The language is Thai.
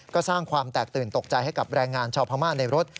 ก็สร้างความแตกตื่นตกใจให้กับแรงงานชาวพม่าในรถ